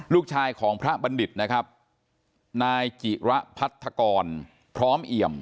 ลูกชายของพระบัณฑิตนะครับนายจิระพัทธกรพร้อมเอี่ยม